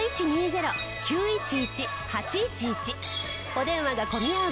お電話が混み合う